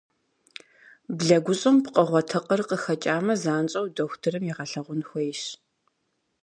Блэгущӏэм пкъыгъуэ тыкъыр къыхэкӏамэ, занщӏэу дохутырым егъэлъэгъун хуейщ.